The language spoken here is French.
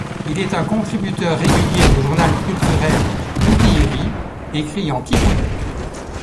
Il est un contributeur régulier du journal culturel Mutiiri, écrit en Kikuyu.